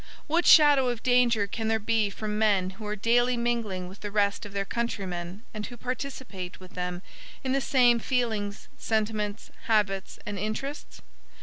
What shadow of danger can there be from men who are daily mingling with the rest of their countrymen and who participate with them in the same feelings, sentiments, habits and interests?